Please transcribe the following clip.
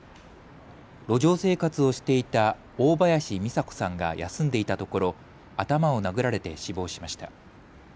路上生活をしていた大林三佐子さんが休んでいたところ頭を殴られて死亡しました。